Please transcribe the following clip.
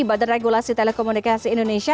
badan regulasi telekomunikasi indonesia